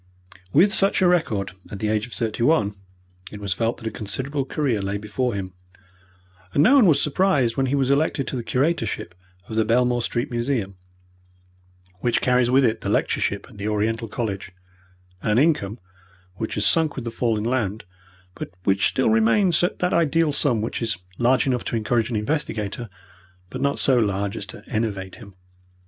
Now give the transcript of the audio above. With such a record at the age of thirty one, it was felt that a considerable career lay before him, and no one was surprised when he was elected to the curatorship of the Belmore Street Museum, which carries with it the lectureship at the Oriental College, and an income which has sunk with the fall in land, but which still remains at that ideal sum which is large enough to encourage an investigator, but not so large as to enervate him.